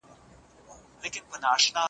دا جملې د غږ ثبتولو لپاره مناسبې دي.